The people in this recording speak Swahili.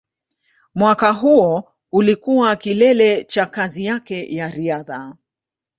Mwaka huo ulikuwa kilele cha kazi yake ya riadha.